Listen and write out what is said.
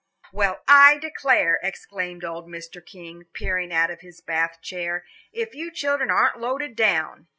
"Well, I declare," exclaimed old Mr. King, peering out of his Bath chair, "if you children aren't loaded down!"